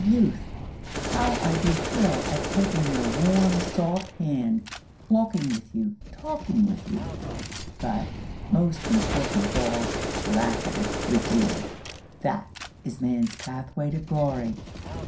Youth! How I do thrill at taking your warm, soft hand; walking with you; talking with you; but, most important of all, laughing with you! That is Man's pathway to glory.